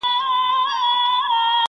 !پر مزار به یې رپېږي جنډۍ ورو ورو!